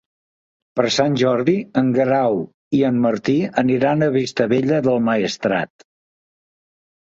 Per Sant Jordi en Grau i en Martí aniran a Vistabella del Maestrat.